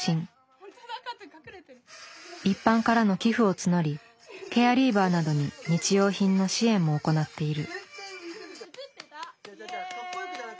一般からの寄付を募りケアリーバーなどに日用品の支援も行っている。